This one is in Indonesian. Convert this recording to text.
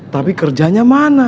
tapi kerjanya mana